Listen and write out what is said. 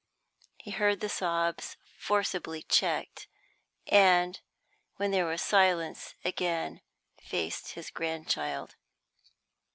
He heard the sobs forcibly checked, and, when there was silence, again faced his grandchild.